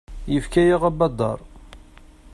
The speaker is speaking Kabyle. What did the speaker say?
Yefka-yaɣ abadaṛ.